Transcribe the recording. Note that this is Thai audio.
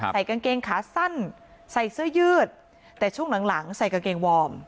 ใส่กางเกงขาสั้นใส่เสื้อยืดแต่ช่วงหลังหลังใส่กางเกงวอร์ม